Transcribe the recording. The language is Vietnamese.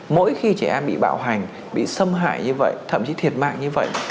mỗi khi trẻ em bị bạo hành bị xâm hại như vậy thậm chí thiệt mạng như vậy